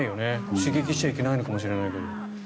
刺激しちゃいけないのかもしれないけど。